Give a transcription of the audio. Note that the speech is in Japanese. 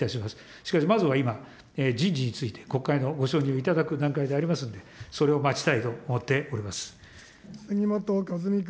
しかしまずは今、人事について、国会のご承認をいただく段階にありますので、それを待ちたいと思杉本和巳君。